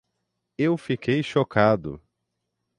Eu fiquei chocado.